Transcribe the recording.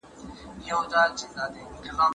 ما ورته وويل فکر به وکړو.